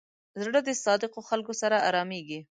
زړه د صادقو خلکو سره آرامېږي.